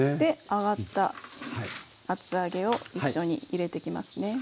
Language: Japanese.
揚がった厚揚げを一緒に入れてきますね。